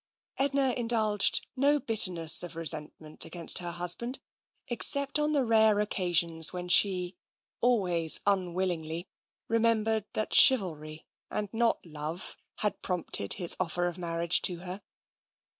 Edna indulged in no bitterness of resentment against her husband, except on the rare occasions when she, always unwillingly, remembered that chivalry and not love had prompted his offer of marriage to her.